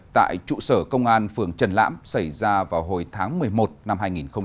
tại trụ sở công an phường trần lãm xảy ra vào hồi tháng một mươi một năm hai nghìn hai mươi ba